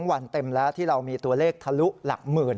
วันเต็มแล้วที่เรามีตัวเลขทะลุหลักหมื่น